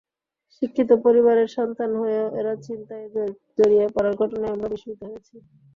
শিক্ষিত পরিবারের সন্তান হয়েও এঁরা ছিনতাইয়ে জড়িয়ে পড়ার ঘটনায় আমরা বিস্মিত হয়েছি।